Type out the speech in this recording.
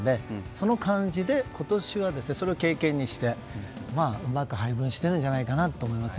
その感じで今年はそれを経験にしてうまく配分していると思います。